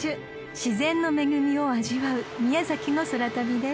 ［自然の恵みを味わう宮崎の空旅です］